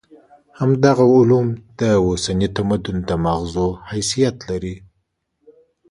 همدغه علوم د اوسني تمدن د ماغزو حیثیت لري.